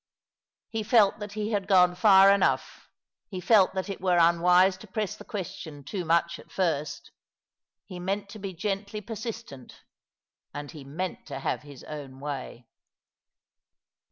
He felt that he had gone far enough — ho felt that it were unwise to press the question too much at first. He meant to be gently persistent ; and he meant to have his own way.